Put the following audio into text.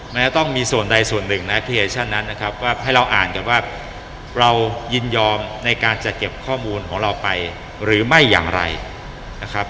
มันจะต้องมีส่วนใดส่วนหนึ่งแอปพลิเคชันนั้นนะครับว่าให้เราอ่านก่อนว่าเรายินยอมในการจะเก็บข้อมูลของเราไปหรือไม่อย่างไรนะครับ